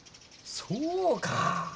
そうか。